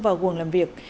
vào guồng làm việc